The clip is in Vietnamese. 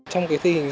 trong cái thi hình